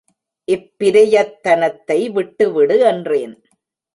இப் பிரயத் தனத்தை விட்டுவிடு என்றேன்.